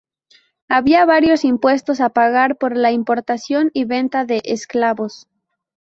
Había varios impuestos a pagar por la importación y venta de esclavos.